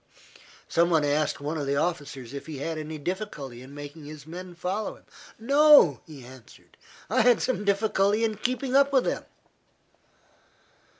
Some one asked one of the officers if he had any difficulty in making his men follow him. "No," he answered, "I had some difficulty in keeping up with them."